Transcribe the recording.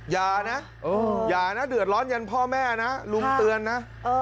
อย่านะอย่านะเดือดร้อนยันพ่อแม่นะลุงเตือนนะ